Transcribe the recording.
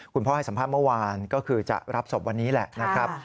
คุณพ่อให้สัมภาษณ์เมื่อวานก็คือจะรับศพวันนี้แหละนะครับ